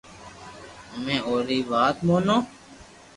امي اوري ر وات مونو